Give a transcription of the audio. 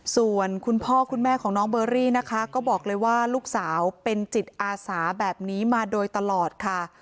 ส่วนคุณพ่อคุณแม่ของน้องเบอรี่นะคะก็บอกเลยว่าลูกสาวเป็นจิตอาสาแบบนี้มาโดยตลอดค่ะ